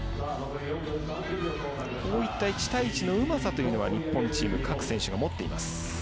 １対１のうまさというのは日本チーム、各選手持っています。